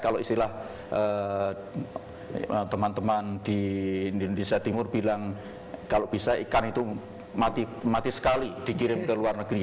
kalau istilah teman teman di indonesia timur bilang kalau bisa ikan itu mati sekali dikirim ke luar negeri